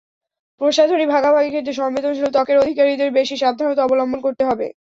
প্রসাধনী ভাগাভাগির ক্ষেত্রে সংবেদনশীল ত্বকের অধিকারীদের বেশি সাবধানতা অবলম্বন করতে হবে।